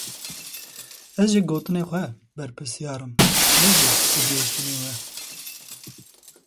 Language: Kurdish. Ez ji gotinên xwe berpirsyar im, ne ji têgihiştinên we.